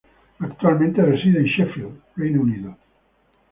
Actualmente reside en Sheffield, Reino Unido.